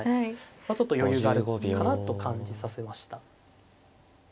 ちょっと余裕があるかなと感じさせました。